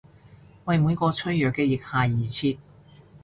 為每個脆弱嘅腋下而設！